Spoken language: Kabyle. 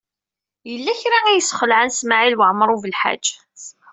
Yella kra ay yesxelɛen Smawil Waɛmaṛ U Belḥaǧ.